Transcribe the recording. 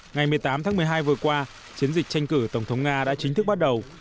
ngày một mươi tám tháng một mươi hai vừa qua chiến dịch tranh cử tổng thống nga đã chính thức bắt đầu